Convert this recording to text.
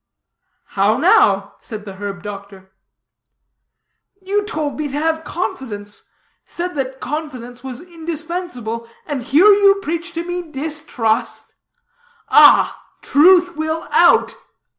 "How now?" said the herb doctor. "You told me to have confidence, said that confidence was indispensable, and here you preach to me distrust. Ah, truth will out!"